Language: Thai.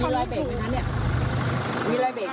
แล้วเขากำลังโทงเข้ามาอีกฝั่งนึง